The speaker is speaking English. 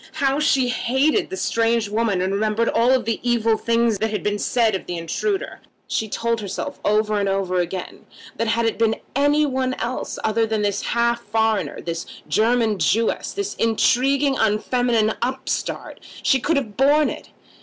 How she hated the strange woman, and remembered all the evil things that had been said of the intruder! She told herself over and over again that had it been any one else than this half foreigner, this German Jewess, this intriguing unfeminine upstart, she could have borne it.